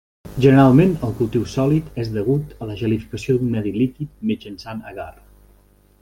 Generalment el cultiu sòlid és degut a la gelificació d'un medi líquid mitjançant agar.